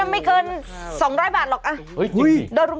ให้๓บาทพอเฮ้ย